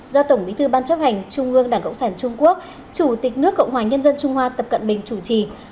do tổng bí thư ban chấp hành trung ương đảng cộng sản trung quốc chủ tịch nước cộng hòa nhân dân trung hoa tập cận bình chủ trì